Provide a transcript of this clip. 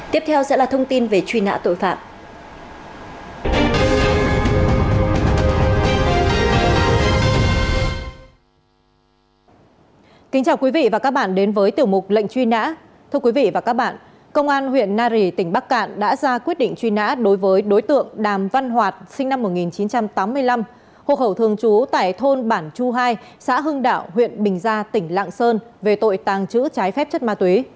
tiếp theo là thông tin về truy nã tội phạm